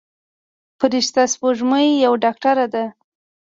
فرشته سپوږمۍ یوه ډاکتره ده.